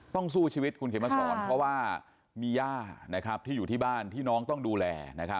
สู้ชีวิตคุณเขียนมาสอนเพราะว่ามีย่าที่อยู่ที่บ้านที่น้องต้องดูแล